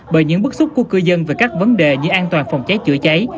bởi những bức xúc của cư dân về các vấn đề như an toàn phòng cháy chữa cháy